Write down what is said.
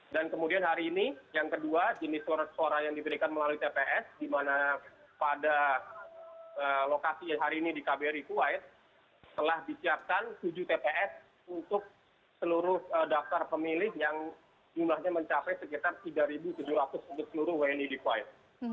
dan kemudian hari ini yang kedua jenis suara suara yang diberikan melalui tps dimana pada lokasi yang hari ini di kbri kuwait telah disiapkan tujuh tps untuk seluruh daftar pemilik yang jumlahnya mencapai sekitar tiga tujuh ratus untuk seluruh wni di kuwait